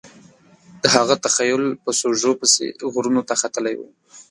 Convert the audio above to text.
د هغه تخیل په سوژو پسې غرونو ته ختلی و